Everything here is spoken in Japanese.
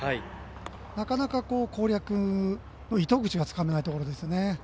なかなか、攻略の糸口がつかめないところですね。